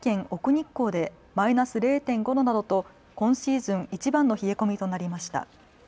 日光でマイナス０．５度などと今シーズンいちばんの冷え込みとなりました。